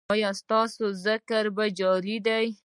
ایا ستاسو ذکر جاری دی؟